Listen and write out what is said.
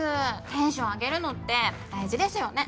テンション上げるのって大事ですよね。